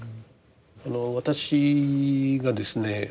私がですね